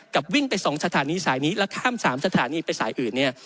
วิ่งไป๒สถานีสายนี้แล้วข้าม๓สถานีไปสายอื่นเนี่ย